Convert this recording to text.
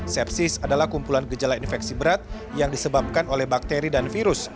sepsis adalah kumpulan gejala infeksi berat yang disebabkan oleh bakteri dan virus